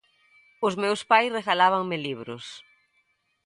Os meus pais regalábanme libros.